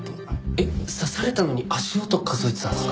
えっ刺されたのに足音数えてたんすか？